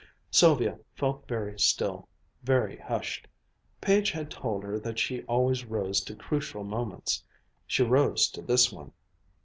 Sylvia felt very still, very hushed. Page had told her that she always rose to crucial moments. She rose to this one.